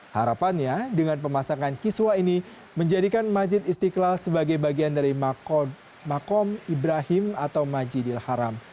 harapannya dengan pemasangan kiswa ini menjadikan majid istiqlal sebagai bagian dari makom ibrahim atau majidil haram